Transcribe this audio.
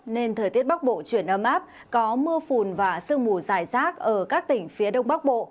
nên thời tiết bắc bộ chuyển âm áp có mưa phùn và sương mù dài rác ở các tỉnh phía đông bắc bộ